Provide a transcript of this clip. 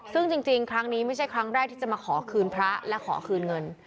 ซึ่งจริงครั้งนี้ไม่ใช่ครั้งแรกที่จะมาขอคืนพระและขอคืนเงิน